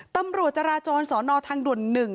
ตำรวจราจรสอนอทางด่วนหนึ่ง